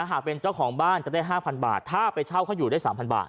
หากเป็นเจ้าของบ้านจะได้๕๐๐บาทถ้าไปเช่าเขาอยู่ได้๓๐๐บาท